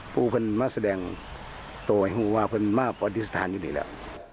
พูดเพิ่มมาแสดงโตหญูกบ่านพูดว่าคือมาปลอดิสถานยังไงแหละ